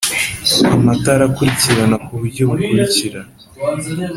Amatara akurikirana ku buryo bukurikira: